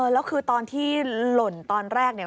แล้วคือตอนที่หล่นตอนแรกเนี่ย